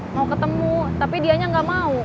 mau ketemu tapi dianya nggak mau